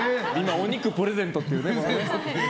お肉をプレゼントってね。